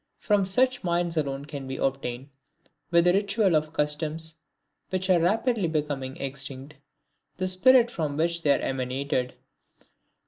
From such minds alone can we obtain, with the ritual of customs which are rapidly becoming extinct, the spirit from which they emanated.